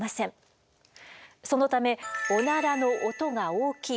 そのためオナラの音が大きい